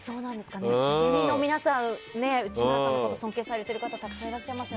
芸人の皆さん内村さんのこと尊敬されている方たくさんいらっしゃいますよね。